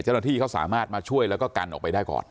เจ้าหน้าที่เขาสามารถมาช่วยแล้วก็กันออกไปได้ก่อน